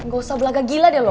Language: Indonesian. gak usah belaga gila deh lo